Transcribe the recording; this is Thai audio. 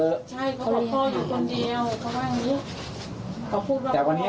ใช่เขาบอกว่าพ่ออยู่คนเดียวเขาว่าอย่างนี้